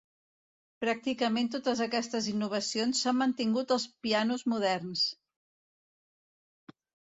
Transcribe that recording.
Pràcticament totes aquestes innovacions s'han mantingut als pianos moderns.